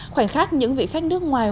khoảnh khắc những vị khách nước ngoài